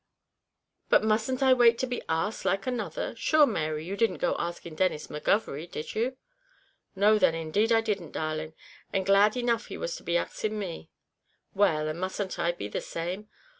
"But musn't I wait to be asked, like another? Sure, Mary, you didn't go asking Denis McGovery, did you?" "No, then, indeed I didn't, darling; and glad enough he was to be axing me." "Well, and musn't I be the same?"